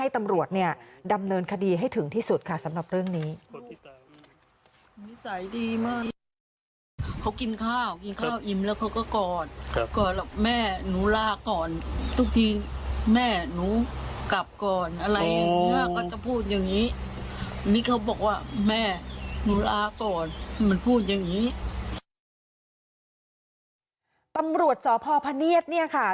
ตำรวจสพพเนียดเนี่ยค่ะ